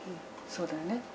そうだよね。